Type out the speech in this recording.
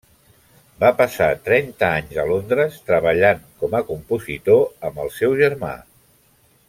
Va passar trenta anys a Londres treballant com a compositor amb el seu germà.